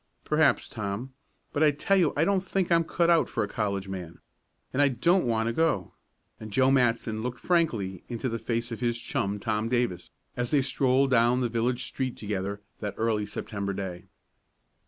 "Perhaps, Tom. But, I tell you I don't think I'm cut out for a college man, and I don't want to go," and Joe Matson looked frankly into the face of his chum, Tom Davis, as they strolled down the village street together that early September day.